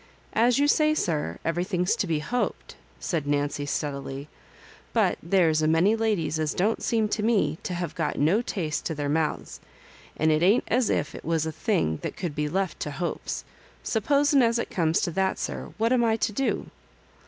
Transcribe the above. " As you say, sir, every thmg's to be hoped," said Nancy, steadily; "but there's a<many ladies as don't seem to me to have got no taste to their mouths ; and it ain't as if it was a thing that could be left to hopea Supposui' as it comes to that, sir, what am I to do